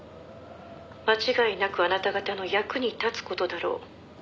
「間違いなくあなた方の役に立つ事だろう」